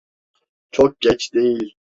Çok geç değil.